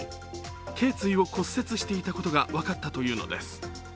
けい椎を骨折していたことが分かったというのです。